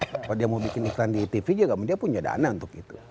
kalau dia mau bikin iklan di tv juga dia punya dana untuk itu